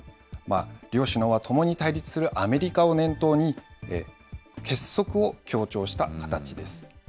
両首脳はともに対立するアメリカを念頭に、結束を強調した形です。